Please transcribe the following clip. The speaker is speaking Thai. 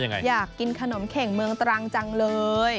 อยากกินขนมเข่งเมืองตรังจังเลย